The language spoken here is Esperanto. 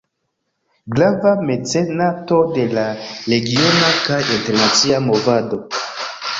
Grava mecenato de la regiona kaj internacia movado.